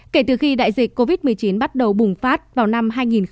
kể từ khi đại dịch covid một mươi chín bắt đầu bùng phát vào năm hai nghìn hai mươi